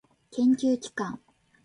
研究機関